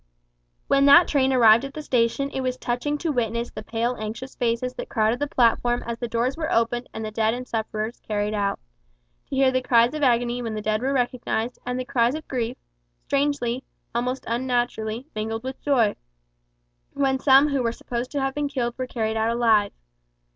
When that train arrived at the station it was touching to witness the pale anxious faces that crowded the platform as the doors were opened and the dead and sufferers carried out; and to hear the cries of agony when the dead were recognised, and the cries of grief, strangely, almost unnaturally, mingled with joy, when some who were supposed to have been killed were carried out alive.